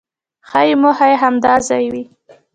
ښایي موخه یې همدا ځای وي.